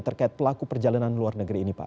terkait pelaku perjalanan luar negeri ini pak